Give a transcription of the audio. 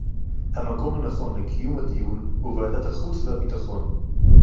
המקום הנכון לקיום הדיון הוא ועדת החוץ והביטחון